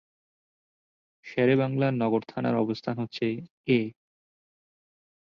শেরেবাংলা নগর থানার অবস্থান হচ্ছে -এ।